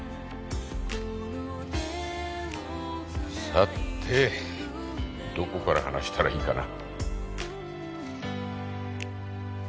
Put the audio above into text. さてどこから話したらいいかな？